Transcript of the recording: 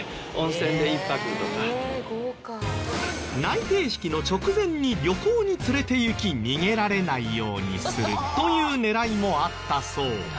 内定式の直前に旅行に連れて行き逃げられないようにするという狙いもあったそう。